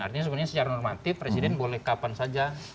artinya sebenarnya secara normatif presiden boleh kapan saja